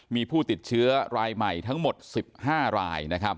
มีผู้ติดเชื้อรายใหม่ทั้งหมด๑๕ราย